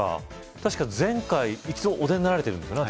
確か前回お出になられてるんですよね